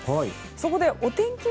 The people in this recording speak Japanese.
そこでお天気